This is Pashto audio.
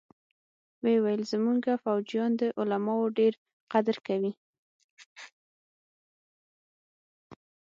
ويې ويل زمونګه فوجيان د علماوو ډېر قدر کوي.